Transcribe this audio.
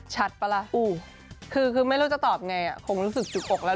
ปะล่ะคือไม่รู้จะตอบไงคงรู้สึกจุกอกแล้ว